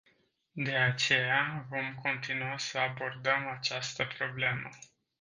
De aceea, vom continua să abordăm această problemă.